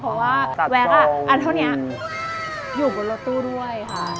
เพราะว่าแวะอันเท่านี้อยู่บนรถตู้ด้วยค่ะ